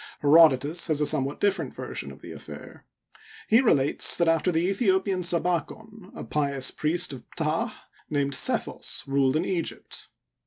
Herodotus has a somewhat different version of the affair. He relates that after the Aethiopian Sabikon, a pious priest of Ptah named Sethos ruled in Egypt.